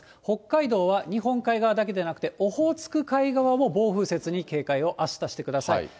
北海道は日本海側だけでなくて、オホーツク海側も暴風雪に警戒をあしたしてください。